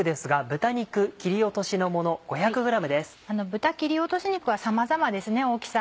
豚切り落とし肉はさまざまですね大きさ。